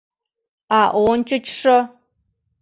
А ончычшо!